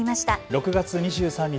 ６月２３日